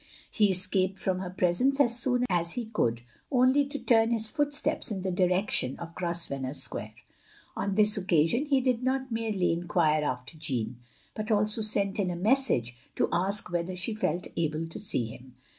He escaped from her presence as soon as he could, only to turn his footsteps in the direction of Grosvenor Square. On this occasion he did not merely enquire after Jeanne, but also sent in a message to ask whether she felt able to see him.